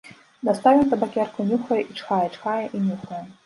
Дастаў ён табакерку, нюхае і чхае, чхае і нюхае.